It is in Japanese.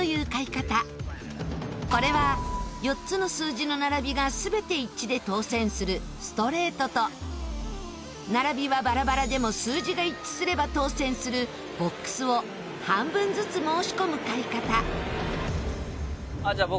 これは４つの数字の並びが全て一致で当せんするストレートと並びはバラバラでも数字が一致すれば当せんするボックスを半分ずつ申し込む買い方。